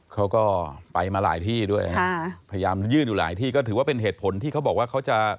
เขาก็ไปมาหลายที่ด้วยค่ะพยายามยื่นอยู่หลายที่ก็ถือว่าเป็นเหตุผลที่เขาบอกว่าเขาจะ